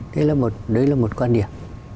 đấy là một quan điểm